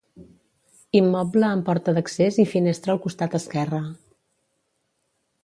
Immoble amb porta d'accés i finestra al costat esquerre.